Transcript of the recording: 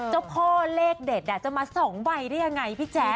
เจ้าพ่อเลขเด็ดจะมา๒ใบได้ยังไงพี่แจ๊ค